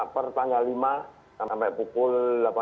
per tanggal lima sampai pukul delapan belas